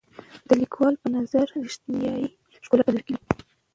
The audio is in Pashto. د لیکوال په نظر رښتیانۍ ښکلا په زړه کې وي.